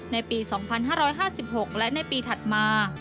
ในปี๒๕๕๖และในปีถัดมา